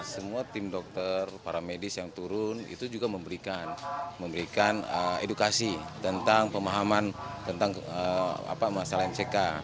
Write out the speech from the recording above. semua tim dokter para medis yang turun itu juga memberikan edukasi tentang pemahaman tentang masalah mck